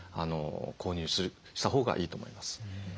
購入したほうがいいと思います。